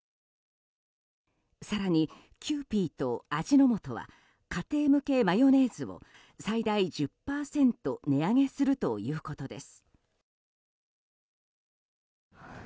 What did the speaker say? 更にキユーピーと味の素は家庭向けマヨネーズを最大１０％値上げするということです。